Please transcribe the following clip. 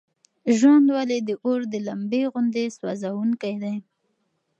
ژوند ولې د اور د لمبې غوندې سوزونکی دی؟